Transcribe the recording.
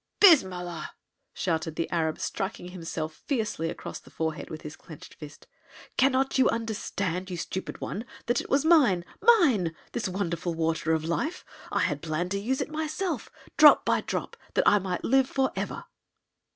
"Bismillah!" shouted the Arab, striking himself fiercely across the forehead with his clinched fist. "Cannot you understand, you stupid one, that it was mine mine! this Wonderful Water of Life? I had planned to use it myself drop by drop that I might live forever."